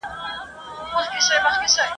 نه ګولۍ او نه مرمي مي چلولي ..